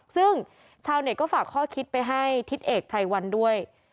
ซึ่งชาวเน็ตก็ฝากข้อคิดไปให้ทิศเอกไพรวันด้วย